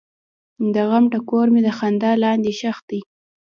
د غم ټکور مې د خندا لاندې ښخ دی.